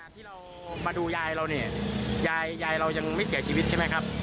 ที่เรามาดูยายเราเนี่ยยายยายเรายังไม่เสียชีวิตใช่ไหมครับ